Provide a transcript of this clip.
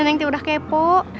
nenek udah kepo